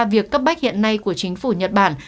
việc cấp bách hiện nay của chính phủ nhật bản